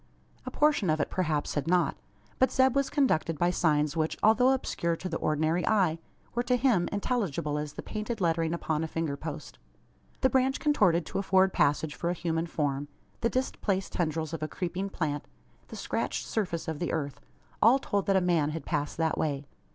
A portion of it perhaps had not. But Zeb was conducted by signs which, although obscure to the ordinary eye, were to him intelligible as the painted lettering upon a finger post. The branch contorted to afford passage for a human form the displaced tendrils of a creeping plant the scratched surface of the earth all told that a man had passed that way.